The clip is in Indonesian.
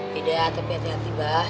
tidak tapi hati hati bah